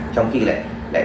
trong khi lại